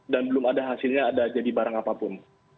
dan belum ada hasilnya ada jadi barang apapun